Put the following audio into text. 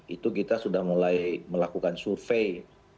itu kita sudah mulai melakukan survei